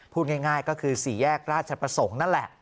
พูดง่ายก็คือสี่แยกราชประสงค์นั่นแหละ